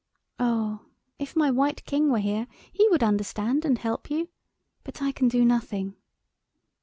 Oh, if my White King were here he would understand and help you! But I can do nothing!"